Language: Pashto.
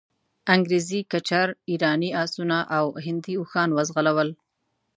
انګریزي کچر، ایراني آسونه او هندي اوښان وځغلول.